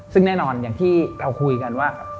ซึ่งแน่นอนอย่างที่เราคุยกันว่า